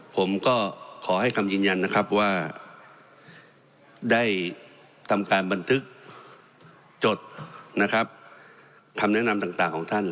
ผมก็ขอให้คำยืนยันนะครับว่าได้ทำการบันทึกจดนะครับคำแนะนำต่างของท่าน